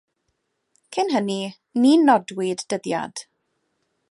Cyn hynny ni nodwyd dyddiad.